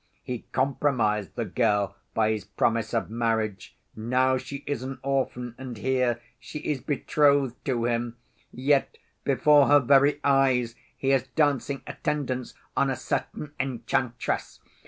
He compromised the girl by his promise of marriage, now she is an orphan and here; she is betrothed to him, yet before her very eyes he is dancing attendance on a certain enchantress.